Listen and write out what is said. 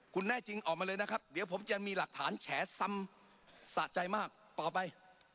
คุณแน่จริงออกมาเลยนะครับเดี๋ยวผมจะมีหลักฐานแฉซ้ำสะใจมากต่อไป